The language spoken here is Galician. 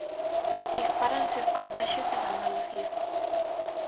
Dispáranse os contaxios en Andalucía.